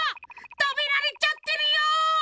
食べられちゃってるよ。